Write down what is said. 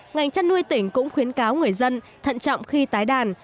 ngành chăn nuôi tỉnh cũng khuyến cáo người dân thận trọng khi tái đàn